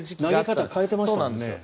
投げ方変えてましたね。